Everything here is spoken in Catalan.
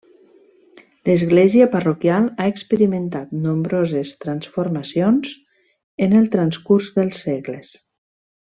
L'església parroquial ha experimentat nombroses transformacions en el transcurs dels segles.